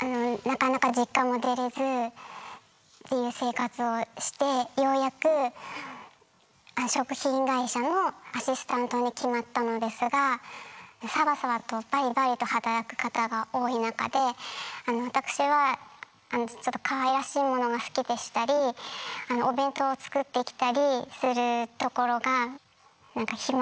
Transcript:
あのなかなか実家も出れずっていう生活をしてようやく食品会社のアシスタントに決まったのですがサバサバとバリバリと働く方が多い中であの私はちょっとかわいらしいものが好きでしたり。って言われたり。